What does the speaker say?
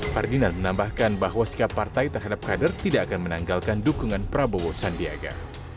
ferdinand menambahkan bahwa sikap partai terhadap kader tidak akan menanggalkan dukungan prabowo sandiaga